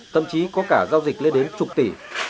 thậm chí có cả giao dịch lên đến chục tỷ